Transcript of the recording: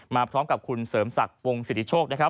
มาพร้อมกับคุณเสริมศักดิ์วงศ์สิริโชค